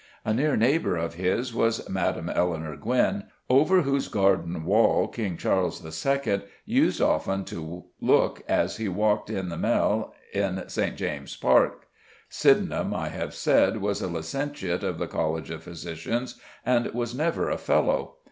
A near neighbour of his was Madame Elinor Gwynne, over whose garden wall King Charles II. used often to look as he walked in the Mall in St. James's Park. Sydenham, I have said, was a licentiate of the College of Physicians, and was never a Fellow.